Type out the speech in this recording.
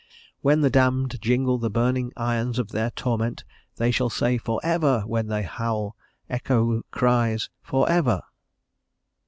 "When the damned jingle the burning irons of their torment, they shall say, 'for ever;' when they howl, echo cries, 'for ever.'"